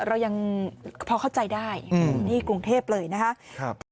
เรายังพอเข้าใจได้นี่กรุงเทพเลยนะครับ